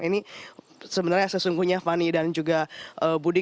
ini sebenarnya sesungguhnya fani dan juga budi